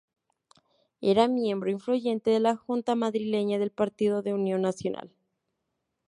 Era miembro influyente de la junta madrileña del partido de Unión Nacional.